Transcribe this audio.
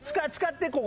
使って。